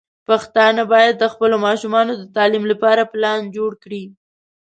پښتانه بايد د خپلو ماشومانو د تعليم لپاره پلان جوړ کړي.